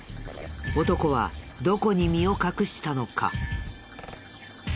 男はどこに身を隠したのか？